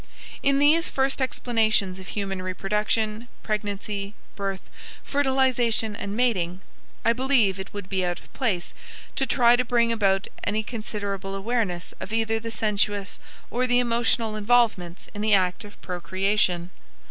In these first explanations of human reproduction, pregnancy, birth, fertilization, and mating, I believe it would be out of place to try to bring about any considerable awareness of either the sensuous or the emotional involvements in the act of procreation.